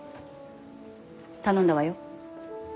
頼んだわよ。